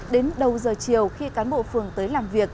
đến đầu giờ chiều khi cán bộ phường tới làm việc